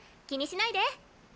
気にしないで！